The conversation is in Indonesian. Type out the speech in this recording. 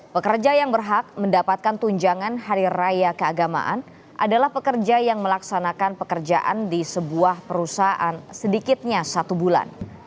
pekerja yang berhak mendapatkan tunjangan hari raya keagamaan adalah pekerja yang melaksanakan pekerjaan di sebuah perusahaan sedikitnya satu bulan